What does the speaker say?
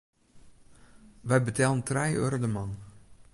Wy betellen trije euro de man.